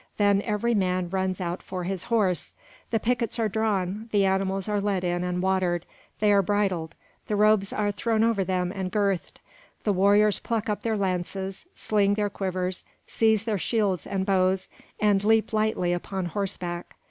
Then every man runs out for his horse; the pickets are drawn; the animals are led in and watered; they are bridled; the robes are thrown over them and girthed. The warriors pluck up their lances, sling their quivers, seize their shields and bows, and leap lightly upon horseback.